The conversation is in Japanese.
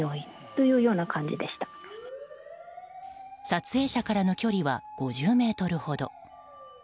撮影者からの距離は５０ｍほど。